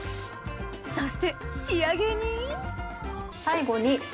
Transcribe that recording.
そして仕上げに最後に。